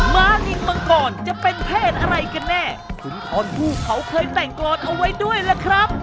ต้องมาเอาใจช่วยกันล่ะครับ